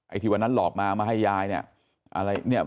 ไอย่ที่วันนั้นหลอกมามาให้หยาย